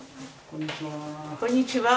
こんにちは。